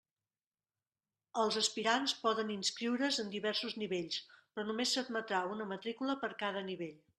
Els aspirants poden inscriure's en diversos nivells, però només s'admetrà una matrícula per cada nivell.